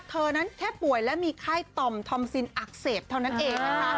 เธอนั้นแค่ป่วยและมีไข้ต่อมทอมซินอักเสบเท่านั้นเองนะคะ